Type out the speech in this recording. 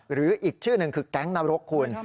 หรืออีกชื่อหนึ่งคือแก๊งนรกคุณ